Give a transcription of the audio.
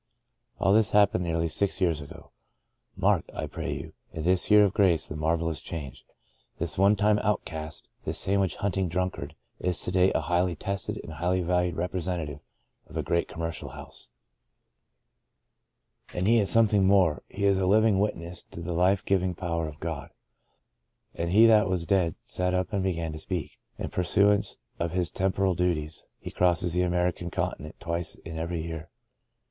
'' All this happened nearly six years ago. Mark, I pray you, in this year of grace the marvellous change. This one time outcast, this sandwich hunting drunkard is to day a highly tested and as highly valued repre sentative of a great commercial house. And B. F. ALEXANDEK. The Breaking of the Bread 6l he is something more. He is a living wit ness to the life giving power of God. " And he that was dead sat up and began to speak." In pursuance of his temporal duties, he crosses the American continent twice in every year.